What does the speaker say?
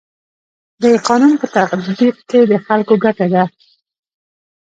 د قانون په تطبیق کي د خلکو ګټه ده.